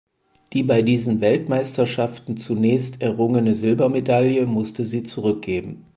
Die bei diesen Weltmeisterschaften zunächst errungene Silbermedaille musste sie zurückgeben.